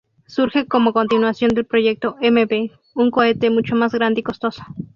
Surge como continuación del proyecto M-V, un cohete mucho más grande y costoso.